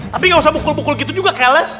tapi nggak usah mukul mukul gitu juga keles